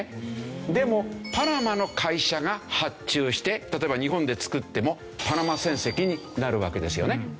でもパナマの会社が発注して例えば日本で造ってもパナマ船籍になるわけですよね。